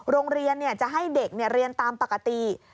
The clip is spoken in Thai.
โรงเรียนจะให้เด็กเรียนตามปกติ